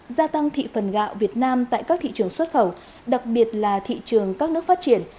gia tăng thị phần gạo việt nam tại các thị trường xuất khẩu đặc biệt là thị trường các nước phát triển